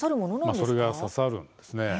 それが刺さるんですね。